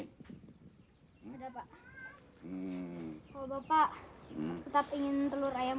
kalau bapak tetap ingin telur ayam